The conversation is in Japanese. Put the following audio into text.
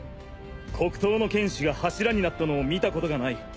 黒刀の剣士が柱になったのを見たことがない。